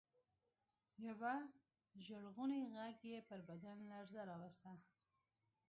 يوه ژړغوني غږ يې پر بدن لړزه راوسته.